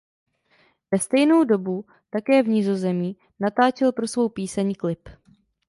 Ve stejnou dobu také v Nizozemí natáčel pro svou píseň klip.